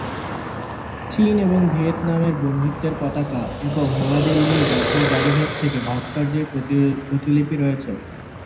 চীন এবং ভিয়েতনামের বন্ধুত্বের পতাকা এবং নয়াদিল্লির জাতীয় জাদুঘর থেকে ভাস্কর্যের প্রতিলিপি রয়েছে।